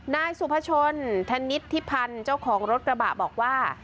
นายสุพชนธนิษฐิพันธ์เจ้าของรถกระบะบอกว่า